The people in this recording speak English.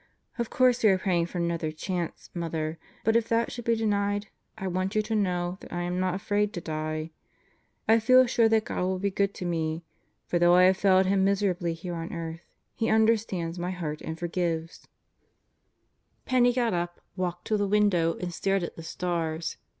"Of course we are praying for another chance, Mother; but if that should be denied, I want you to know that I am not afraid to die. ... I feel sure that God will be good to me; for though I have failed Him miserably here on earth, He understands my heart and forgives." 90 God Goes to Murderer's Row Penney got up, walked to the window and stared at the stars.